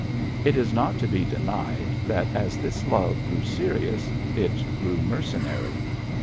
It is not to be denied that as this love grew serious it grew mercenary.